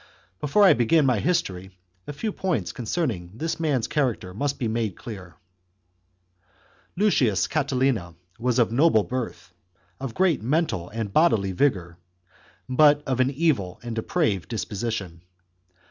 Before I begin my history, a few points concerning this man's char acter must be made clear. I CHAP. v| Lucius Catilina was of noble birth, of great mental and bodily vigour, but of an evil and depraved dis position.